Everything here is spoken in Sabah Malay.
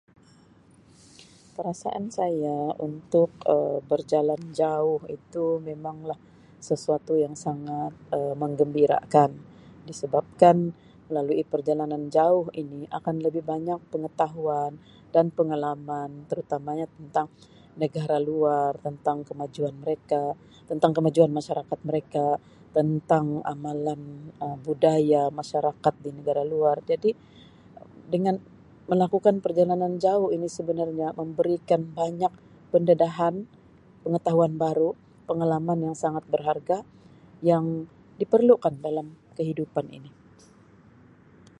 Perasaan saya untuk Um berjalan jauh itu memang lah sesuatu yang sangat Um menggembirakan disebabkan melalui perjalanan jauh ini akan lebih banyak pengetahuan dan pengalaman terutamanya tentang negara luar tentang kemajuan mereka tentang kemajuan masyarakat mereka tentang amalan Um budaya masyarakat di negara luar jadi dengan melakukan perjalanan jauh ini sebenarnya memberikan banyak pendedahan pengetahuan baru pengalaman yang sangat berharga yang diperlukan dalam kehidupan ini.